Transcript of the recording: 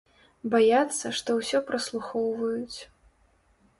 Баяцца, што ўсё праслухоўваюць.